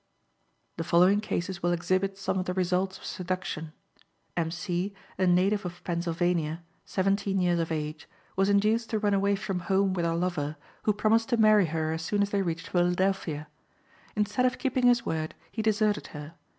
The following cases will exhibit some of the results of seduction: M. C., a native of Pennsylvania, seventeen years of age, was induced to run away from home with her lover, who promised to marry her as soon as they reached Philadelphia. Instead of keeping his word, he deserted her.